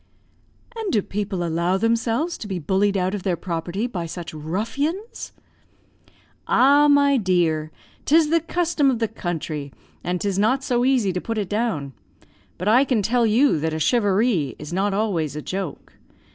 "And do people allow themselves to be bullied out of their property by such ruffians?" "Ah, my dear! 'tis the custom of the country, and 'tis not so easy to put it down. But I can tell you that a charivari is not always a joke.